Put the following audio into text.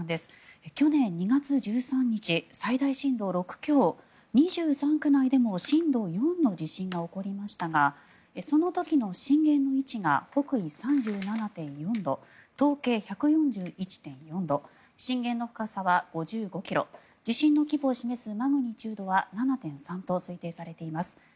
去年２月１３日最大震度６強、２３区内でも震度４の地震が起こりましたがその時の震源の位置が北緯３７．４度東経１４１．４度震源の深さは５５ｋｍ地震の規模を示すマグニチュードは７．３と推定されています。